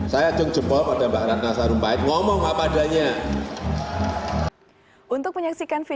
saya ceng jempol pada mbak ratna sarumpai